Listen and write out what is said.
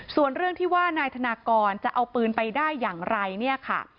ส่วนเรื่องที่ว่านายธนากรจะเอาปืนไปได้อย่างไรเนี่ยค่ะ